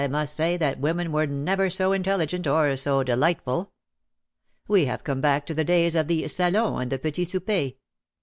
must say that women were never so intelligent or so delightful. We have come back to the days of the salon and the petit souper.